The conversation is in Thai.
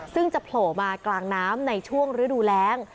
ซึ่งจะโผล่มากลางน้ำในช่วงฤดูแรง